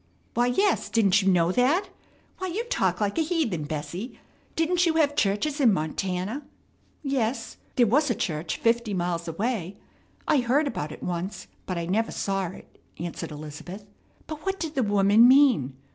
"Why, yes; didn't you know that? Why, you talk like a heathen, Bessie. Didn't you have churches in Montana?" "Yes, there was a church fifty miles away. I heard about it once, but I never saw it," answered Elizabeth. "But what did the woman mean?